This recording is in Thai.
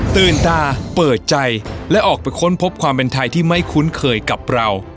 ตื่นตาเปิดใจและออกไปค้นพบความเป็นไทยที่ไม่คุ้นเคยกับเรา